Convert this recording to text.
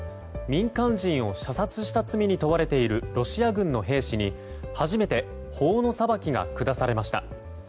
民間人を射殺した罪に問われているロシア軍の兵士に初めて法の裁きが下されました。